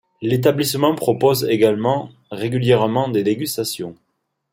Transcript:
L'établissement propose également régulièrement des dégustations.